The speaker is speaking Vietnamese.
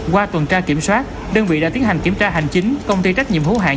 qua tuần tra kiểm soát đơn vị đã tiến hành kiểm tra hành chính công ty trách nhiệm hữu hạng